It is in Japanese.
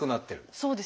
そうです。